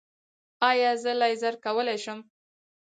ایا زه لیزر کولی شم؟